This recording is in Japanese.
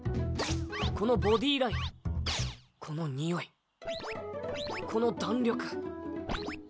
このボディーラインこの匂いこの弾力。